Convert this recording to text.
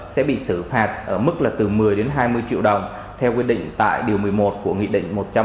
sẽ bị xử phạt ở mức từ một mươi hai mươi triệu đồng theo quy định tại điều một mươi một của nghị định một trăm bốn mươi bốn